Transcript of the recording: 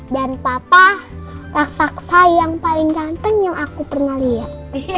dan papa raksasa yang paling ganteng yang aku pernah lihat